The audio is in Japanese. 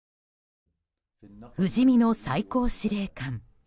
不死身の最高司令官。